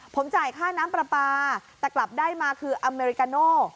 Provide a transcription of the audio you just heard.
ผมจ่ายค่าน้ำปลาปลาแต่กลับได้มาคืออเมริกาโน่